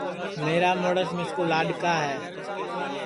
میرا مُرس مِسکُو لاڈؔکا ہے